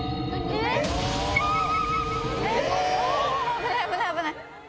危ない危ない危ない！